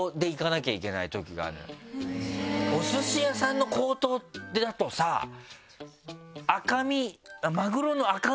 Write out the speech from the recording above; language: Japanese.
お寿司屋さんの口頭だとさ赤身。